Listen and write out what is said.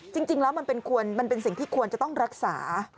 จริงแล้วมันเป็นสิ่งที่ควรจะต้องรักษา